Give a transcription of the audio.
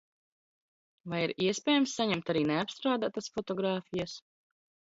Vai ir iespējams saņemt arī neapstrādātās fotogrāfijas?